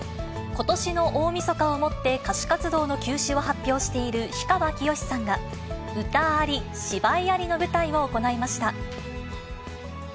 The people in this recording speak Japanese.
ことしの大みそかをもって歌手活動の休止を発表している氷川きよしさんが、歌あり芝居ありの舞台を行いました。